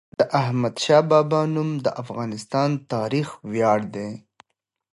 د احمدشاه بابا نوم د افغان تاریخ ویاړ دی.